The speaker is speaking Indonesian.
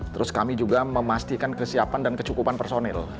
terus kami juga memastikan kesiapan dan kecukupan personil